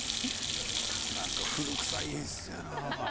何か古くさい演出やな。